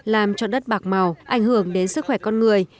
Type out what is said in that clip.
làm cho đất bạc màu ảnh hưởng đến sức khỏe con người